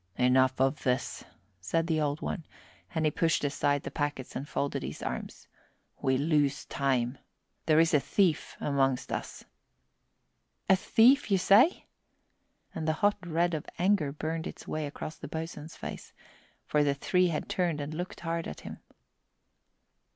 "Enough of this," said the Old One, and he pushed aside the packets and folded his arms. "We lose time. There is a thief amongst us." "A thief, you say?" And the hot red of anger burned its way across the boatswain's face, for the three had turned and looked hard at him.